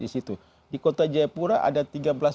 mereka juga bisa berobat dan masyarakat yang ada di dalam perbatasan